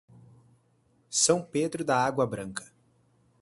São Pedro da Água Branca